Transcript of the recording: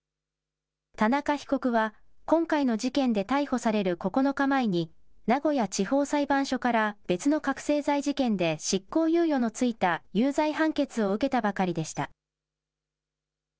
田中被告は今回の事件で逮捕される９日前に名古屋地方裁判所から別の覚醒剤事件で執行猶予の付いた有罪判決を受けたばかりでした。